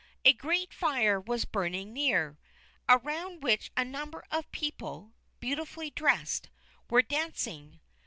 A great fire was burning near, around which a number of people, beautifully dressed, were dancing.